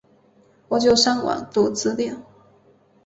我就上网读资料